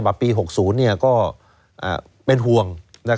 ภาพปี๖๐ก็เป็นหวง